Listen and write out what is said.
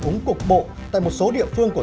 cúng cục bộ tại một số địa phương của